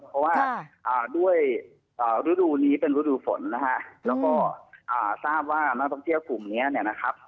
เพราะว่าด้วยฤดูนี้เป็นฤดูฝนนะฮะแล้วก็ทราบว่านักท่องเที่ยวกลุ่มนี้เนี่ยนะครับ